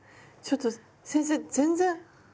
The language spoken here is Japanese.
ちょっと先生全然。